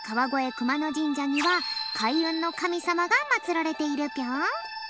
くまのじんじゃにはかいうんのかみさまがまつられているぴょん。